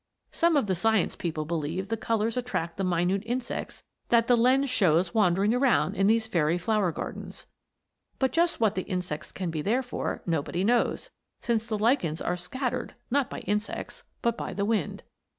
Some of the science people believe the colors attract the minute insects that the lens shows wandering around in these fairy flower gardens. But just what the insects can be there for nobody knows, since the lichens are scattered, not by insects, but by the wind.